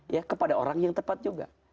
ya kepada orang yang tepat juga